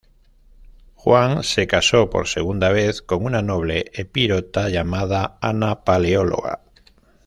Juan se caso por segunda vez con una noble epirota llamada Ana Paleóloga.